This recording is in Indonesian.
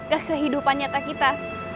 ke kehidupan nyata kita